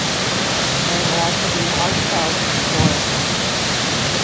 And it has to be heartfelt and enjoyable.